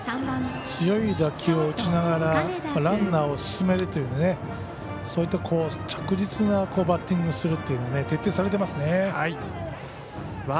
強い打球を打ちながらランナーを進めるというそういった着実なバッティングをするというのが徹底されてますね。